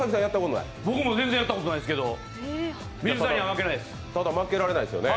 僕も全然やったことがないですけど、水田には負けないです。